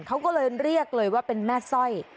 เขาก็เลยเรียกเลยว่าเป็นแม่สร้อย